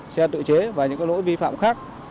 xe tự chế và những lỗi vi phạm khác